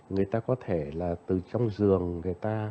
người ta có thể là từ trong giường